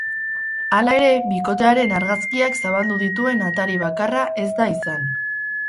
Hala ere, bikotearen argazkiak zabaldu dituen atari bakarra ez da izan.